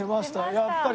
やっぱり。